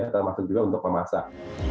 termasuk juga untuk memasak